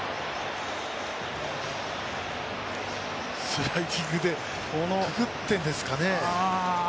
スライディングでくぐってるんですかね。